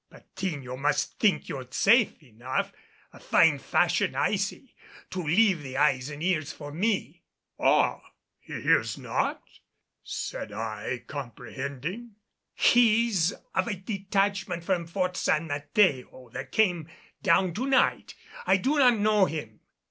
Patiño must think you safe enough. A fine fashion, I say, to leave the eyes and ears for me." "Ah, he hears not?" said I, comprehending. "He is of a detachment from Fort San Mateo that came down to night. I do not know him."